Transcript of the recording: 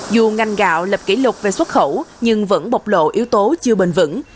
dù ngành gạo lập kỷ lục về xuất khẩu nhưng vẫn bộc lộ yếu tố chưa bình vẩn